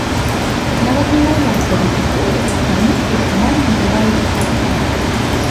Нават немаўлят бяруць у поле, каб карміць іх, амаль не адрываючыся ад працы.